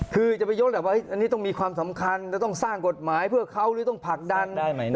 คือจะไปยกแหละว่าอันนี้ต้องมีความสำคัญจะต้องสร้างกฎหมายเพื่อเขาหรือต้องผลักดัน